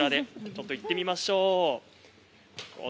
ちょっと行ってみましょう。